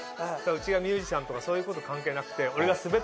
うちがミュージシャンとかそういうこと関係なくて。